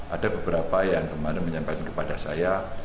ada beberapa yang kemarin menyampaikan kepada saya